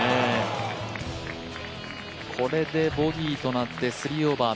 これでボギーとなって３オーバー。